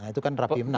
itu kan rapimnas